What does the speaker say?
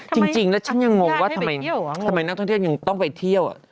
จริงแล้วฉันยังงงว่าทำไมนักท่องเที่ยวยังต้องไปเที่ยว